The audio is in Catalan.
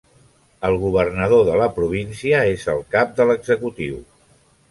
El governador de la província és el cap de l'executiu.